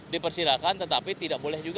dipersilakan tetapi tidak boleh juga